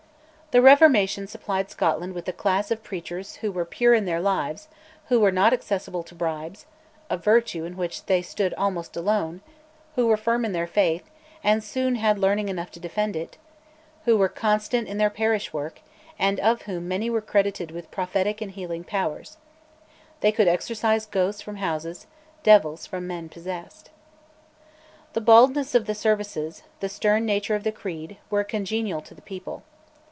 The Reformation supplied Scotland with a class of preachers who were pure in their lives, who were not accessible to bribes (a virtue in which they stood almost alone), who were firm in their faith, and soon had learning enough to defend it; who were constant in their parish work, and of whom many were credited with prophetic and healing powers. They could exorcise ghosts from houses, devils from men possessed. The baldness of the services, the stern nature of the creed, were congenial to the people.